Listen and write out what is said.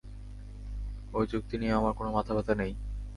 ওই চুক্তি নিয়ে আমার কোন মাথা ব্যাথা নেই।